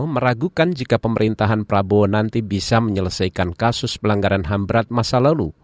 meragukan jika pemerintahan prabowo nanti bisa menyelesaikan kasus pelanggaran ham berat masa lalu